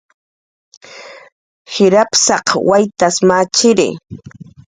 Jir apsaq waytas machiri